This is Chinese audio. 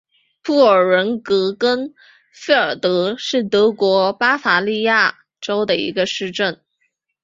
布尔格伦根费尔德是德国巴伐利亚州的一个市镇。